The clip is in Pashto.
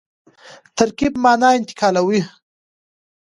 ترکیب مانا انتقالوي.